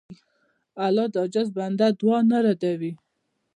الله د عاجز بنده دعا نه ردوي.